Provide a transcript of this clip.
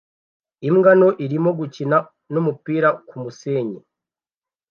Imbwa nto irimo gukina n'umupira kumusenyi